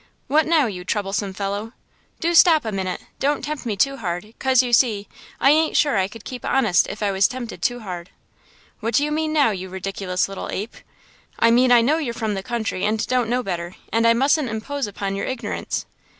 "What now, you troublesome fellow?" "Do stop a minute! Don't tempt me too hard, 'cause, you see, I ain't sure I could keep honest if I was tempted too hard." "What do you mean now, you ridiculous little ape?" "I mean I know you're from the country, and don't know no better, and I mus'n't impose upon your ignorance."